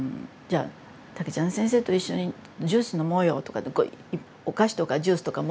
じゃあ竹ちゃん先生と一緒にジュース飲もうよとかってこうお菓子とかジュースとか持っていくもの。